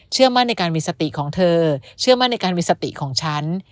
มั่นในการมีสติของเธอเชื่อมั่นในการมีสติของฉัน